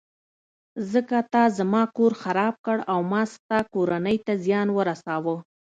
ځکه تا زما کور خراب کړ او ما ستا کورنۍ ته زیان ورساوه.